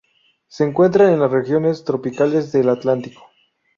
Se encuentra en las regiones tropicales del Atlántico.